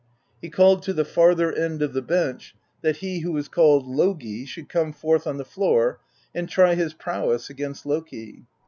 He called to the farther end of the bench, that he who was called Logi should come forth on the floor and try his prowess against Loki.